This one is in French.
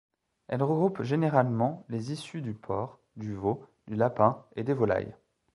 Elle regroupe généralement les issues du porc, du veau, du lapin et des volailles.